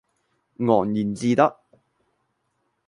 昂然自得